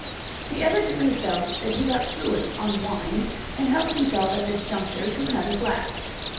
He evidently felt that he got fluent on wine; and helped himself, at this juncture, to another glass.